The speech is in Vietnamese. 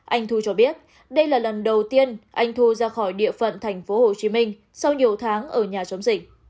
anh thu cho biết đây là lần đầu tiên anh thu ra khỏi địa phận tp hcm sau nhiều tháng ở nhà chống dịch